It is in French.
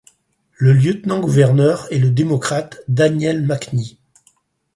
Le lieutenant-gouverneur est le démocrate Daniel McKee.